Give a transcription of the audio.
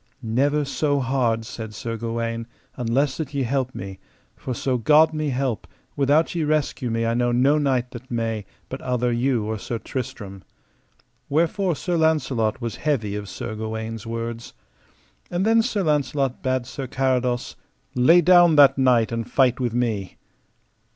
Never so hard, said Sir Gawaine, unless that ye help me, for so God me help, without ye rescue me I know no knight that may, but outher you or Sir Tristram. Wherefore Sir Launcelot was heavy of Sir Gawaine's words. And then Sir Launcelot bade Sir Carados: Lay down that knight and fight with me.